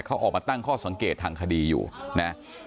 เขาออกมาตั้งข้อสังเกตทางคดีอยู่นะ